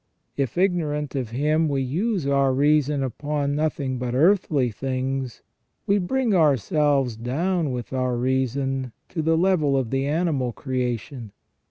If, ignorant of Him, we use our reason upon nothing but earthly things, we bring ourselves down with our reason to the level of the animal creation.